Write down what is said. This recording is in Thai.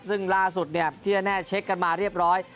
ซึ่งล่าสุดที่แน่เช็คกันมาเรียบร้อย